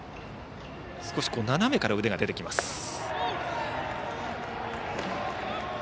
少し斜めから腕が出てきます。